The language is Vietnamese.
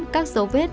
các dấu vết